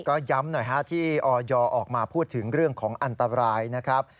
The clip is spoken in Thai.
ก็ย้ำหน่อยฮะที่ออยออกมาพูดถึงเรื่องของอันตรายนะครับ